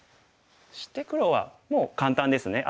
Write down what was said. そして黒はもう簡単ですね。